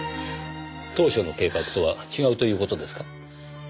当初の計画とは違うという事ですか？